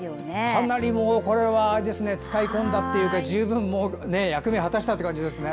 かなり使い込んだというか十分役目を果たした感じですね。